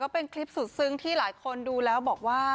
เป็นคลิปสุดซึ้งที่หลายคนดูแล้วบอกว่า